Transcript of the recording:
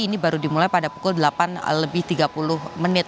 ini baru dimulai pada pukul delapan lebih tiga puluh menit